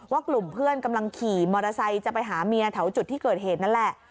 กลุ่มเพื่อนกำลังขี่มอเตอร์ไซค์จะไปหาเมียแถวจุดที่เกิดเหตุนั่นแหละ